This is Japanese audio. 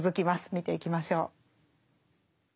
見ていきましょう。